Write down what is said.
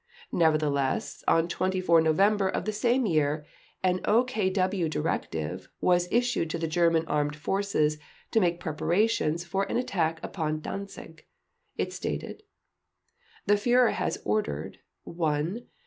Nevertheless, on 24 November of the same year, an OKW directive was issued to the German Armed Forces to make preparations for an attack upon Danzig; it stated: "The Führer has ordered: (1) ..